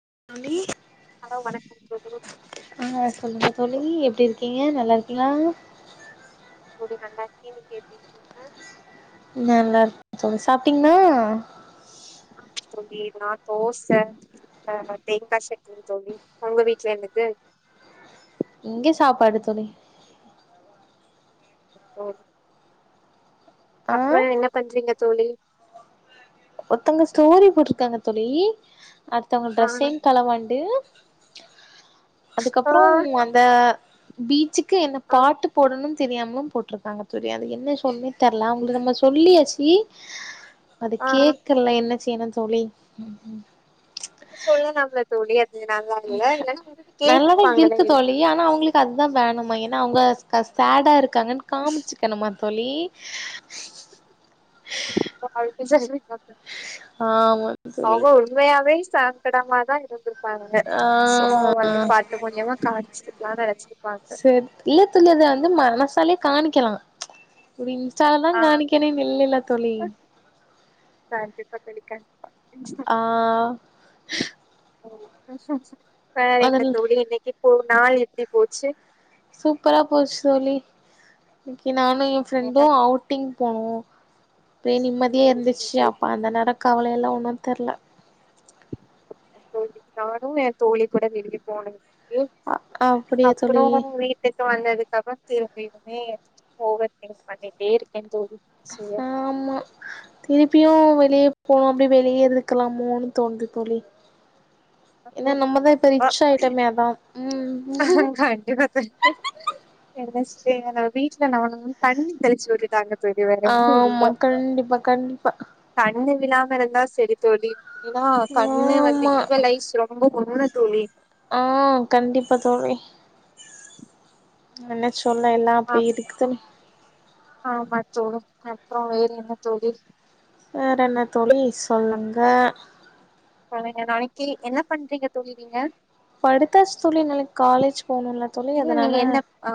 [unintelligible] Hello வணக்கம் தோழி ஆ சொல்லுங்க தோழி எப் எப்டி இருக்கீங்க நல்லா இருக்கீங்ளா தோழி நல்லாருக்கே நீங்க எப்டி இருக்கீங்க நல்லா இருக் தோழி சாப்டீங்லா ஆமா தோழி நா தோச ஆ தேங்கா சட்னி தோழி உங்க வீட்ல என்னது இங்க சாப்பாடு தோழி தோழி ஆ அப்ரோ என்ன பண்றீங்க தோழி ஒர்த்தங்க ஸ்டோரி போட்ருக்காங்க தோழி அடுத்தவங்க ஆ ட்ரெஸ்ஸிசையு களவாண்டு ஆ அதுக்கப்பறோ ம் அந்த பீச்சுக்கு என்ன ஆ பாட்டு போடணும் தெரியாமலு போட்ருக்காங்க தோழி அது என்ன சொல்லி தெரல அவங்ள்க் நம்ம சொல்லியாசி அது ஆ நீங்க கேக்கல என்ன செய்னு தோழி நீங்க சொல்லலாம்ல தோழி அது நல்லா இல்ல ம் இல்லன்னா உங்ககிட்ட நல்லாதான் கேட்ருப்பாங்களே இருக்கு தோழி ஆனா அவங்ளுக்கு அதான் வேணுமா ஏன்னா அவங்க ஷேடா இருக்காங்கன்னு காம்ச்சுக்கணுமா தோழி [unintelligible] ஆமா தோழி அவோ உண்மையாவே சங்கடமாதா இருந்துரு ப்பாங்க ஆ சோ வந்து பாட்டு மூலியமா காம்ச்சுருக்காலானு நனச்சிருப்பாங்க இது வந்து மனசாலே காமிக்கலா ஒரு இன்ஸ்டாலதா ஆ காமிக்கணு இல்லல தோழி [unintelligible] ஆ வேற என்ன அதில் தோழி இன்னைக்கு இப்ப நாள் எப்படி போச்சு சூப்பரா போச்சு தோழி இனிக்கு நானும் எ ஃப்ரெண்டும் என்னலாம் அவுட்டிங் போனோம் அப்ப நிம்மதியே இருந்துச்சு அப்ப அந்த நேரம் கவலைல்லா ஒன்னு தெர்ல அப்போ இனிக்கு நானும் என் தோழி கூட வெளிய போன கு அ அப்படியா தோழி அப்ரோ வீட்டுக்கு வந்ததுக்கு அப்ரோ திரும் எப்பயுமே ஓவர்திங் பண்ணிட்டே இருக்க தோழி சரி, ஆமா திருப்பியு வெளியப் போகாமலேயே வெளியே இருந்துக்கலாமோன்னு தோணுது தோழி ஏனா அப்புறம் நம்மதா இப்ப ரிட்ச் ஆயிட்டமே அதான் உம் அஹ் நெனஸ்டே வீட்டுல நம்மள வந்து தண்ணி தெளிச்சு விட்டுட்டாங்க தோழி வேற ஒன்னு ஆமா கண்டிப்பா கண்டிப்பா ண்ணு விழாம இருந்தா சரி தோழி ஏனா கண்ணு வந்து ஆமா ஈவலைஸ் ரொம்ப [unintelligible] தோழி ஆ கண்டிப்பா தோழி என்ன சொல்ல எல்லா ஆ அப்படி இருக்குதுன்னு ஆமா தோடு அப்ரோ வேற என்ன தோழி வேற என்ன தோழி சொல்லுங்க பலக நாலைக்கி என்ன பண்றீங்க தோழி நீங்க படுத்தாச்சு தோழி நாளைக்கு காலேஜ் போணுல தோழி இல்ல அதனால நீங்க என்ன ஆ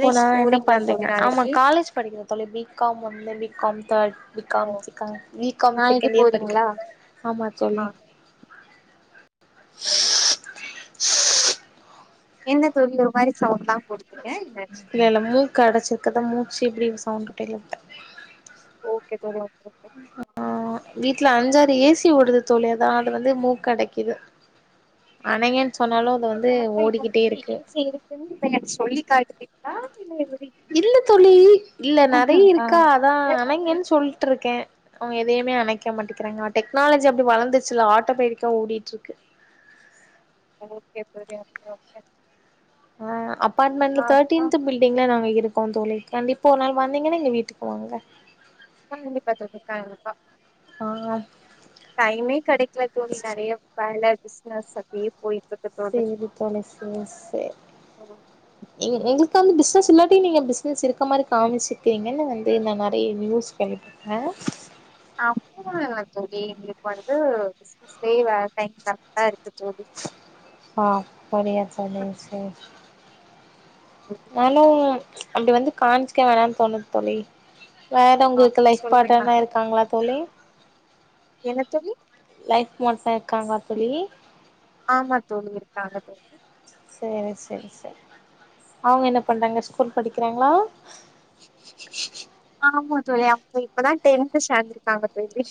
ஓ நான் என்ன போறீங்களா தோழி பண்றீங்க ஆமா நாளைக்கி காலேஜ் படிக்கிற தோழி B com [unintelligible] B com third B ஓ காம் செகண் ஓகே பி தோழி காம் நாளைக்கி செகண்ட் இயர் படிக்கிற போறீங்களா ஆமா ஆ தோழி தோழி என்ன தோழி ஒரு மாரி சௌண்ட்ல இல்ல இல்ல மூக்கு அடைச்சிருக்கதான் மூச்சு இப்படி சவுண்ட் [unintelligible] ஓகே தோழி ஓகே ஓகே அ அ வீட்டுல அஞ்சாறு ஏசி ஓடுது தோழிஅதா அது வந்து மூக் அடைக்குது அணைங்கன் சொன்னாலு அது வந்து ஹாஸ்பிட்டல்ல வந்தா இப்ப ஓடிக்கிட்டே உங்ககிட்ட இருக்கு ஏ சி இருக்குன்னு இப்ப எனக்கு சொல்லி காட்டுறீங்களா இல்ல எப்டி இல்ல தோழி இல்ல நறைய ஆ இருக்கா அதான் ஏக்கம் அணைங்கன் ஏக்கம். சொல்ட்டு இருக்க அவங்க எதையுமே அணைக்க மாட்டேகிறாங்க டெக்னாலஜி அப்படி வளர்ந்து சில ஆட்ட பேடிக்கா ஓடிட்டுருக்கு ஓகே தோழி ஓகே ஓகே ம் அப்பார்ட்மெண்ட்ல ஆ ஆ தேர்டீ்ன்த் பில்டிங்ல நாங்க இருக் கோ தோழி கண்டிப்பா ஒரு நாள் வந்தீங்கன்னா எங்க வீட்டுக்கு வாங்க கண்டிப்பா தோழி கண்டிப்பா ஆ டைமே கடைக்கல தோழி நறைய வேல பிஸ்னஸ் அப்டியே போயிட் செரி தோழி செர் செர் எ எங்களுக் காந்து பிஸ்னஸ் இல்லாட்டியும் நீங்க பிஸ்னஸ் இருக்க மாரி காமிச்சுக்கிறீங்கன்னு வந்து நான் நறைய நியூஸ் கேள்விப்பட்ட அப்டிலா இல்ல தோழி எங்களுக்கு வந்து பிசினஸ்லயே வேல டைட்டாதா இருக்கு தோழி அப்படியா தோழி செர் நானும் அப்டி வந்து கான்ச்சுக்க வேணானு தோணுது தோழி வேற உங்களுக்கு அப்டி லைஃப் சொல்றீங்களா பார்ட்னர்னா இருக்காங்களா தோழி என்ன தோழி லைஃப் மாட்ஸ்லா இருக்காங்களா தோழி ஆமா தோழி இருக் காங்க தோழி செரி செரி செர் அவங்க என்ன பண்றாங்க ஸ்கூல் படிக்கிறாங்களா ஆமா தோழி அ இப்பதா டென்து ஷாந்துருக்காங்க தோழி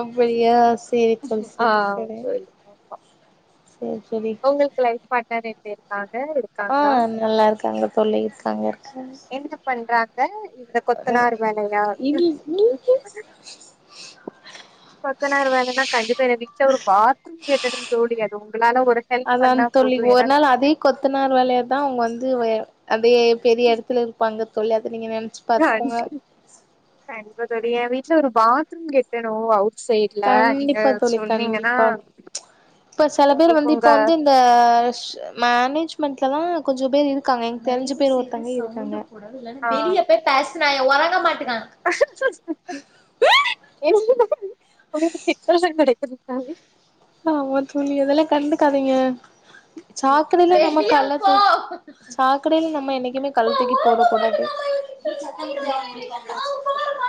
அப்படியா சேரி தோழி ஆ சேரி சேரி தோழி ஆமா சேரி தோழி ஒங்கள்க்கு லைஃப் பாட்னர் எப்டி இருக் ஆ நல்லாருக்காங்க தொல்லை இர்க்காங்க என்ன பண்றாங்க இந்தக் கொத்தனார் வேலயா கொத்தனார் வேலன்னா கண்டிப்பா என்னை விக்ச ஒரு பாத்ரூம் கேட்டட தோழி அது உங்களால ஒரு ஹெல்ப் அதான் பண்ணா தோழி போது ஒர் நாள் அதே கொத்தனார் வேலயதா அவுங் வந்து வே அந் வே பெரிய எடத்துல இருப்பாங்க தோழி அத நீங்க நெ னச் பாத்க்கோங்க அதோடி எ வீட்ல ஒரு பாத்ரூம் கெட்டணு அவு செய்ட்ல நீங்க கண்டிப்பா தோழி சொன்னீங்கனா கண்டிப்பா இப்ப செல பேர் வந்து இப்ப வந்து இந்த ஷ மேனேஜ் மண்ட்லதா கொஞ்சோ பேர் இருக்காங்க எனக் தெர்ஞ்ச பேரு ஒருத்தங்க இருக்காங்க ஆ வெளிய பேய் பேஸ்னாய ஒறங்க மாட்டுக்கா என் னா ஒங்களுக்கு டிப்பரஷன் கெடைப்பதற்காக்வே ஆமா தோழி அதெல்லா கண்டுக்காதீங்க ம் சாக்கடைல நம்ம கண்டிப்பா கல்ல தோழி தூக் சாக்கடைல நம்ம என்னக்குமே கல்லத் தூக்கி போடு தொடாதே [inaudible] ம். கண்டிப்பா தோழி.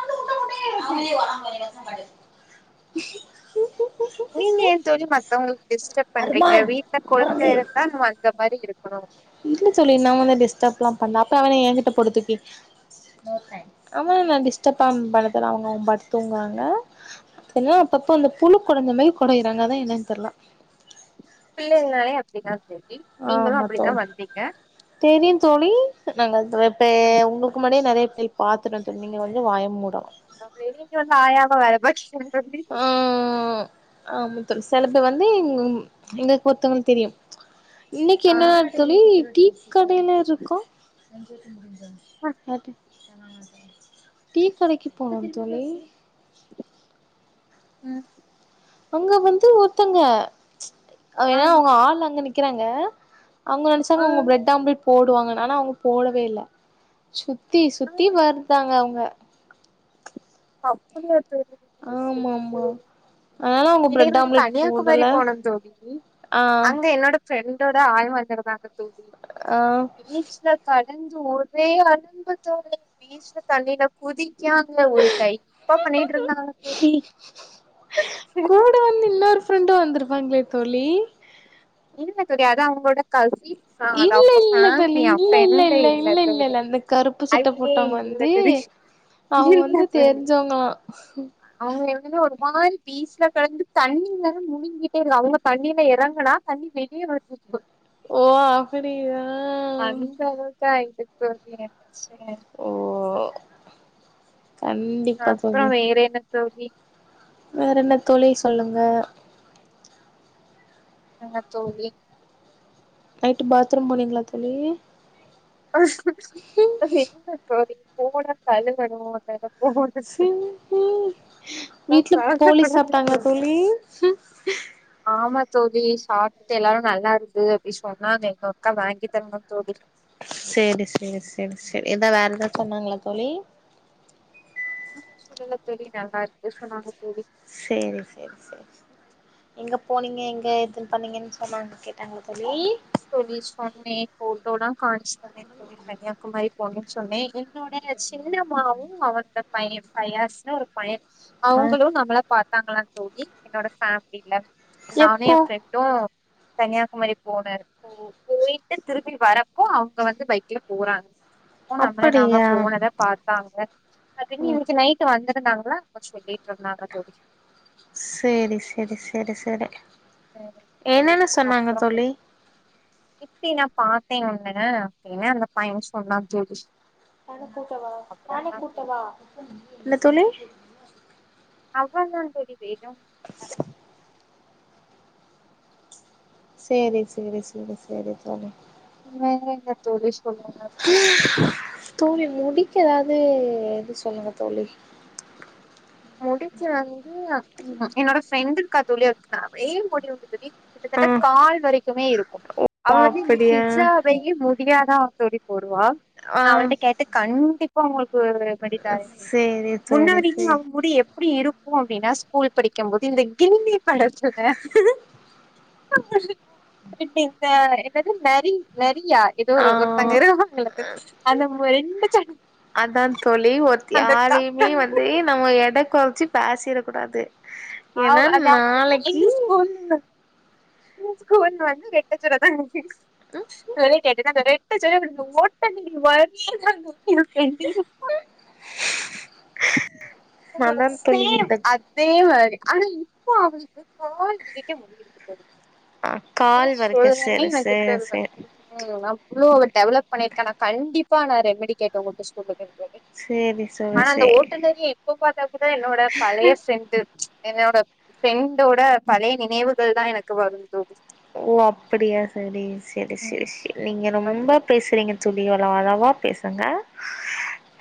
நீங்க ஏன் தோழி மத்தவுங்ளுக்கு டிஸ்டப் பண்றீங்க வீட்ல கொலந்த ஒறங்கு இருந்தான்ம் மாரி இருக்குணு இல்ல தோழி நாவன டிஸ்டர்ப்லா பண்ல அப்ப அவன என்கிட்ட போடு தூக்கி அமே நா டிஸ்டப்பாம் பண்ண தேவ்ல அவங் அவு பாட்டு தூங்குவாங்க தென்னா அப்பப்ப அந்த பூன கொடஞ்ச மயி கொடையிறாங்க அதா என்னன் தெர்ல பிள்ளைங்னாலே அப்டிதா ஜோகி நீங்களு ஆமா அப்புடிதா தோழி வந்தீங்க தெரியு தோழி நாங்க அதுரப்பயே ம் உங்ளுக் மடே நெறைய ஃபை பாத்துடத்து நீங்க வந்து வாய மூடலா அப்லே நீங்க வந்து ஆயாம்மா வேல பக் ஷ ஆ ஆம செலப்பெ வந்து இங்கும் எங்கக்கு ஒர்த்தவ்ங்ள் தெரியு இன்னக்கி ஆ என்னா தோழி டீ கடைல இருக்கோ யாட்டு டீ கடக்கி போனோ தோழி ம் அங்க வந்து ஒர்த்தங்க ஆ எனா அவுங்க ஆள் அங்க நிக்கிறாங்க அவுங்க ஆ நெனச்சாங்க அவுங்க பிரெட் ஆம்லெட் போடுவாங்கனு அனா அவுங்க போடவே இல்ல சூ தி சுத்தி ஆ வர்தாங்க அவுங்க அப்புடியாத் ஆமாம்மா இதே மாரி கனியாகுமரி போனோ தோழி ஆ அங்க என்னோட ஃப்ரெண்டோட ஆய வந்துருந்தாங்க தோழி ஆ பீச்ல கட் லஞ்சு ஒரே அலும்பு தோழி பீச்ல தண்ணில குதிக்கியாங்க டைப் பா பண்ணிகிட் இருந்தாங்க தோழி [unintelligible] வாங்ளே தோழி இல்ல தோழி அதா அவுங்கோட கசி ச அது இல்ல அவுங் பஸ்ன இல்ல தோழி யா இல்ல இல்ல ஃப்ரெண்ட இல்ல இதுல இல்ல இல்ல தோழி இல்ல அந்த கருப்பு சட்ட ஐய்யே போட்டவங்க இல்ல வந்து தெரி அவங்க இல்ல வந்து தோழி தெரிஞ்சவங்களா அவுங்க எங்கன ஒரு மாரி பீச்ல கலந்து தண்ணிங்லர முலுங்கிட்டேருகா அவுங்க தண்ணில எறங்குனா தண்ணி வெளிய வர்து இருக்கு தோள் ஓ அப்பிடியா அந்த ஓ [unintelligible] கண்டிப்பா அப்ரொ வேற என்ன தோழி வேறென்ன தோழி சொல்லுங்க தங்க தோழி நைட்டு் பாத்ரூம் போனீங்ளா தோழி இல்ல தோழி போனா கழுவனு அந்த எடோ சிம்பு வீட்ல போலி சாப்ட்டாங்ளா தோழி ஆமா தோழி சாப்ட்டுட்டு எல்லாரு நல்லா இருக்கு அப்டி சொன்னாங்க எங்க அக்கா வாங்கி தரணு தோழி சேரி சேரி சேரி சேரி எதா வேற எதா சொன்னாங்ளா தோழி சொல்லல தோழி நல்லா இருக்கு சொன்னாங்க தோழி சேரி சேரி சேரி எங்க போனீங்க எங்க எதுன்னு பண்ணீங்கன்னு அம்மாங் கேட்டாங்ளா தோழி தோழி சொன்னே போட்டோல்லா பொண்ணுனு சொன்னே அவனோட சின்னம்மாவு அவனோட பையன் பயாஸ்னு ஒரு பையன் ஆ அவுங்களும் நம்மள பா பண்றாங்கலா தோழி என்னோட ஃபேமிலில நானு எப்போ என் ஃப்ரெண்டு கன்னியாகுமரி போனாரு போ போயிட்டு திரும்பி வரப்போ அவுங்க வந்து பைக்ல போறாங்க அப்போ நம்மள நாம அப்படியா போனத பாத்தாங்க அப்டின்னு ஓ இன்னிக்கு நைட்டு வந்து இருந்தாங்ளா அப்ப சொல்லிட்டு இருந்தாங்க தோழி சேரி சேரி சேரி சேரி அஹ் தோழி என்னன்ன சொன்னாங்க தோழி அப்டி நான் பாத்தேன் உன்ன அப்டின்னு அந்த பையன் சொன்னா தோழி சானி கூட்டவா சானி அவ்ளதா தோழி கூட்டவா என்ன தோழி அவுங்கதா தோழி வேணும் சேரி சேரி சேரி சேரி தோழி வேற என்ன தோழி சொல்லுங் [unintelligible] தோழி முடிக்கு எதாவது இது சொல்லுங்க தோழி முடிக்கு வந்து என்னோட ஃப்ரெண்டு இருக்கா தோழி அவுளுக்கு நெறயா முடி உண்டு தோழி ஆ ட கால் வரைக்குமே இருக்கு அவ ஓ வந்து இந்த அப்படியா [unintelligible] முடியா தான் தோழி போ துவா ஆ நா அவள்ட்ட கேட்டு கண்டிப்பா உங்களுக்கு ஒரு ரெமிடிதாயே சேரி தோழி முன்னாடி சேரி அவ முடி எப்டி இருக்கு அப்டினா ஸ்கூல் படிக்கும்போது இந்த கில்லி படத்துல எப்டி இந்த என்னது நரி ந ரியா எதோ ஒரு ஆ ஒருத்தங்க இருப்பாங்கல்ல அந்த மா ரெண்டு ஜட அதான் தோழி ஒருத்தி யாரையுமே வந்து நம்ம எட குறச்சு பேசிட கூடாது ஏன்னா ஆவ் அதாவது நாளைக்கி எங்க ஸ்கூல் ஸ்கூல் வந்து ரெட்ட ஜடதா [unintelligible] ரெட்ட ஜட [unintelligible] அதா தோழி சேம் இந்த அதே மாரி ஆனா இப்போ அவுளுக்கு கால் வரைக்கு முடியிருக்கு தோழி ஆ என்ன கால் வரைக்கு சொல்றுதுனே சேரி எனக்கு சேரி தெர்ல சேரி ம் அவ்ளோ டெவலப் பண்ணிருக்க நா கண்டிப்பா நா ரெமிடி கேட்டு உங்களுக்கு சொல்லுவ சேரி தோழி சேரி அந்த ஓட்டு நரிய இப்ப பாத்தா கூட என்னோட பழய ஃப்ரெண்டு என்னோட ஃப்ரெண்டோட பழய நினைவுகள்தா எனக்கு வருந் தோழி ஓ அப்டியா சேரி சேரி சேரி சேரி நீங்க ம் ரொம்ப பேசுறீங்க தோழி அளவா பேசுங்க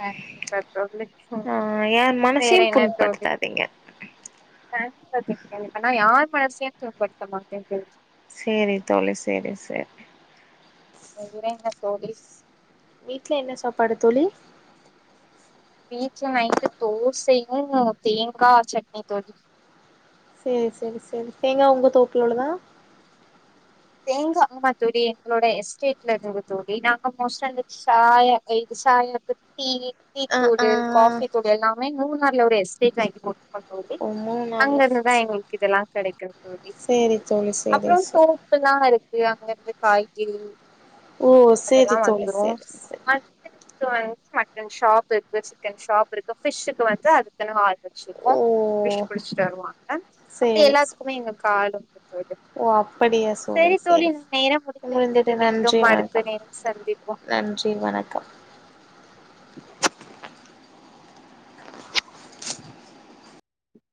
கண்டிப்பா தோழி ஆ ஏ வேற மனசையு என்ன தோழி புண்படுத்தாதீங்க [unintelligible] நா யார் மனசயு துன்படுத்த மாட்டேன் தோழி சேரி தோழி சேரி சேரி வேற என்ன தோழி வீட்ல என்ன சாப்பாடு தோழி வீட்ல நைட்டு தோசையு தேங்கா சட்னி தோழி சேரி சேரி சேரி தேங்கா உங்க தோப்புலோடதா தேங்கா ஆமா தோழி எங்களோட எஸ்டேட்ல இருந்து தோழி நாங்க மோஸ்ட்டா இந்த சாயக்கை சாயாக்கு டீ டீ ஆ ஆ தூளு காஃபி தூளு எல்லாமே மூணாறுல ஒரு எஸ்டேட் வாங்கிபோ ஆமா தோழி ஓ மூணு நாள்ல அங்கயிருந்துதா எங்களுக்கு இதெல்லா கெடைக்கு தோழி சேரி தோழி சேரி அப்றோ சேரி சோப்புல்லா பருப்பு அங்க இருந்து காய்கறி ஓ அதெல்லா சேரி தோழி வந்துரு சேரி சேரி வந்து [inaudible] மட்டன் ஷாப் இருக்கு சிக்கன் ஷாப் இருக்கு ஃபிஷுக்கு வந்து அதுக்குன்னு ஆள் இரு வெச்சிருக்கோ ஓ ஃபிஷ் பிடிச்சி தருவாங்க அப்டியே சேரி சே எல்லாத்துக்குமே எங்களுக்கு ஆளு ஓ அப் அப்படியா சகோதரி தோழி சேரி நம் நேரம் முடிந்து எம்மா விட்டது எந்துடைய நன்றி மீண்டும் அடுத்த வணக்கம் நேரம் சந்திப்போம் நன்றி வணக் வணக்கம்